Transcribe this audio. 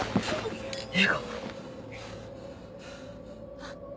あっ。